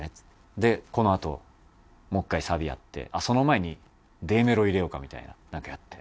「でこのあともう一回サビやってその前にＤメロを入れようか」みたいななんかやって。